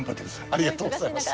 ありがとうございます。